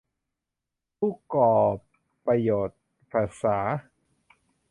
ผู้กอรปประโยชน์ศึกษา